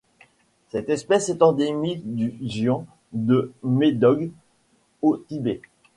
Cette espèce est endémique du xian de Mêdog au Tibet.